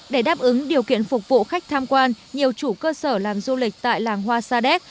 để đáp ứng điều kiện phục vụ khách tham quan nhiều chủ cơ sở làm du lịch tại làng hoa sa đéc